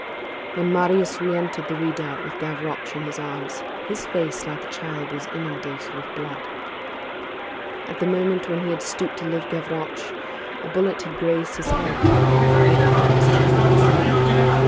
When Marius re entered the redoubt with Gavroche in his arms, his face, like the child, was inundated with blood. At the moment when he had stooped to lift Gavroche, a bullet had grazed his head; he had not noticed it.